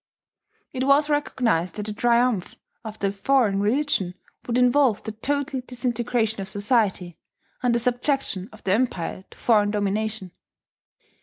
It was recognized that the triumph of the foreign religion would involve the total disintegration of society, and the subjection of the empire to foreign domination.